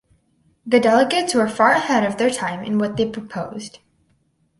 The delegates were far ahead of their time in what they proposed.